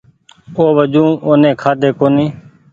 اوُ وجون اوني کآۮو ڪونيٚ